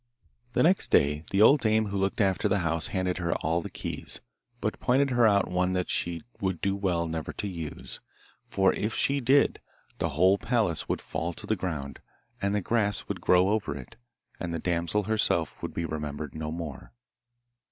The next day the old dame who looked after the house handed her all the keys, but pointed her out one that she would do well never to use, for if she did the whole palace would fall to the ground, and the grass would grow over it, and the damsel herself would be remembered no more.